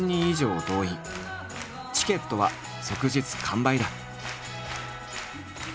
チケットは即日完売だ。